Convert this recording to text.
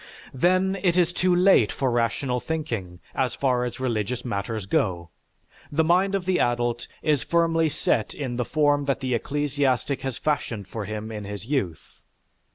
Then it is too late for rational thinking, as far as religious matters go, the mind of the adult is firmly set in the form that the ecclesiastic has fashioned for him in his youth.